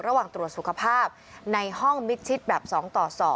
ระหว่างตรวจสุขภาพในห้องมิดชิดแบบ๒ต่อ๒